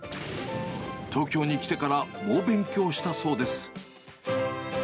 東京に来てから猛勉強したそうです。